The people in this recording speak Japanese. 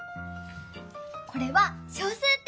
これは小数点！